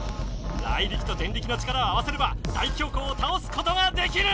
ライリキとデンリキの力を合わせれば大凶光をたおすことができる！